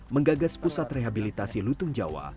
menggagas pusat rehabilitasi lutung jawa